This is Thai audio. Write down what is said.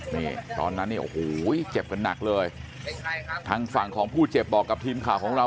นี่ตอนนั้นเนี่ยโอ้โหเจ็บกันหนักเลยทางฝั่งของผู้เจ็บบอกกับทีมข่าวของเรา